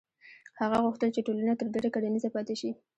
هغه غوښتل چې ټولنه تر ډېره کرنیزه پاتې شي.